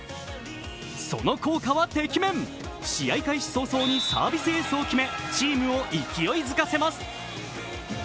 その効果はてきめん、試合開始早々にサービスエースを決め、チームを勢いづかせます。